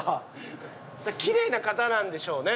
きれいな方なんでしょうね。